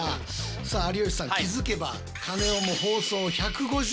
さあ有吉さん気付けばえ！